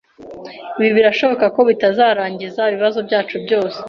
Ibi birashoboka ko bitazarangiza ibibazo byacu byose.